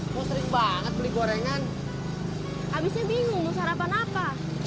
kok sering banget beli gorengan habisnya bingung sarapan apa